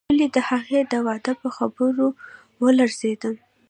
ولې د هغې د واده په خبر ولړزېدم.